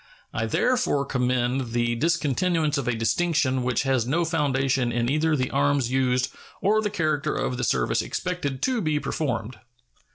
I therefore commend the discontinuance of a distinction which has no foundation in either the arms used or the character of the service expected to be performed.